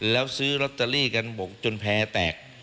แล้วซื้อลอตเตอรี่กันบกจนแพ้แตก